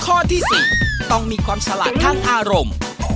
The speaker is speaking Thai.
ข้อที่๔ต้องมีความฉลาดทางอารมณ์